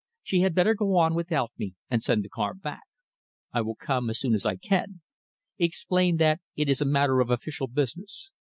She had better go on without me and send the car back. I will come as soon as I can. Explain that it is a matter of official business.